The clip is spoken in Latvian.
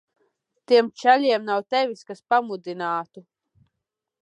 Tiem čaļiem nav tevis, kas pamudinātu.